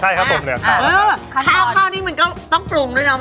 ใช่ครับผมเหลือข้าวเออข้าวคราวนี่มันก็ต้องปรุงด้วยนะ